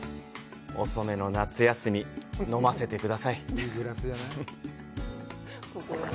遅めの夏休み、飲ませてください！